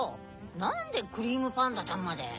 なんでクリームパンダちゃんまで？